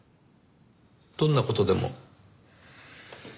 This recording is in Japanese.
どんな事でも。